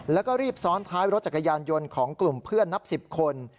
แล้วก็รีบซ้อนท้ายรถจักรยานยนต์ของกลุ่มเพื่อนนับ๑๐คน